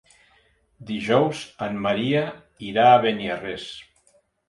Dijous en Maria irà a Beniarrés.